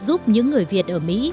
giúp những người việt ở mỹ